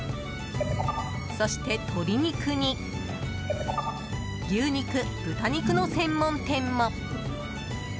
そして鶏肉に牛肉・豚肉の専門店も。